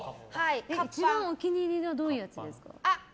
一番お気に入りはどういうやつですか？